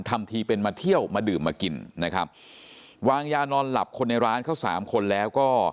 ทำทีเป็นมาเที่ยวมาดื่มมากินนะครับวางยานอนหลับคนในร้านเขาสามคนแล้วก็